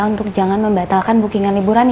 untuk jangan membatalkan bookingan liburan